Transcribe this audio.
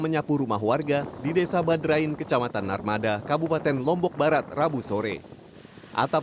menyapu rumah warga di desa badrain kecamatan narmada kabupaten lombok barat rabu sore atap